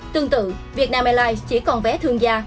tương tự việt nam airlines chỉ còn vé thương gia